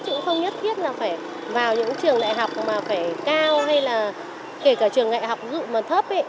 chứ cũng không nhất thiết là phải vào những trường đại học mà phải cao hay là kể cả trường đại học dụ mà thấp